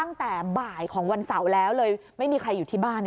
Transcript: ตั้งแต่บ่ายของวันเสาร์แล้วเลยไม่มีใครอยู่ที่บ้าน